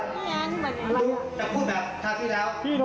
จะพูดแบบทางที่แล้ว